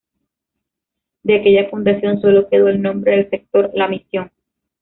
De aquella fundación solo quedó el nombre del sector La Misión.